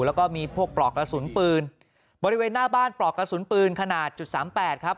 แล้วก็มีพวกปลอกกระสุนปืนบริเวณหน้าบ้านปลอกกระสุนปืนขนาดจุดสามแปดครับ